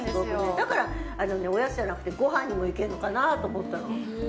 だから、おやつじゃなくてごはんにも行けるのかなと思ったの。